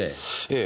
ええ。